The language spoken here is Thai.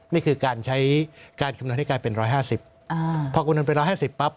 นี่คือการใช้การคำนวณให้การเป็น๑๕๐พอกำนวณเป็น๑๕๐ปั๊บ